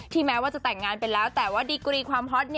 แม้ว่าจะแต่งงานไปแล้วแต่ว่าดีกรีความฮอต